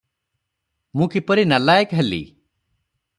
ମୁଁ କିପରି ନାଲାଏକ ହେଲି?